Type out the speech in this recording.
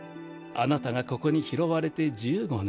あなたがここに拾われて１５年。